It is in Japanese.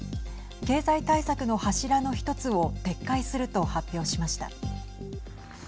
経済対策の柱の１つを撤回すると発表しました。